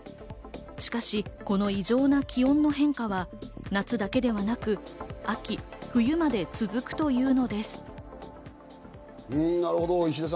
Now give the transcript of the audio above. しかし、この異常な気温の変化は夏だけではなく、秋、冬まで続くというのです。